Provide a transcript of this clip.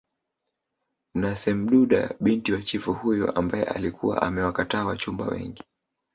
na semdudabinti wa chifu huyo ambaye alikuwa amewakataa wachumba wengi